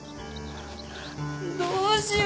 どうしよう。